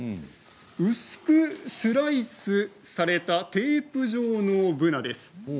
薄くスライスされたテープ状のものです。